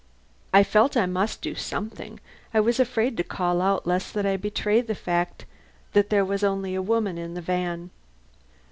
I felt I must do something. I was afraid to call out lest I betray the fact that there was only a woman in the van.